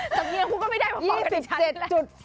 จับเงียคุณก็ไม่ได้มาฝากกับฉันแหละ